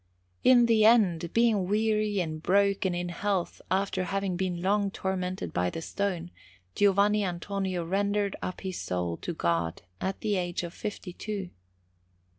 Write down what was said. In the end, being weary and broken in health after having been long tormented by the stone, Giovanni Antonio rendered up his soul to God at the age of fifty two.